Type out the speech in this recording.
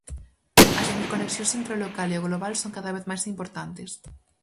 As interconexións entre o local e o global son cada vez máis importantes.